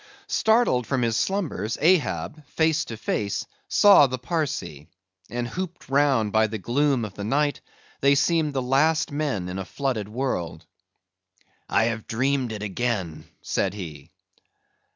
Started from his slumbers, Ahab, face to face, saw the Parsee; and hooped round by the gloom of the night they seemed the last men in a flooded world. "I have dreamed it again," said he.